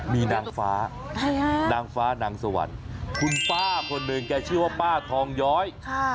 มีนางฟ้านางฟ้านางสวรรค์คุณป้าคนหนึ่งแกชื่อว่าป้าทองย้อย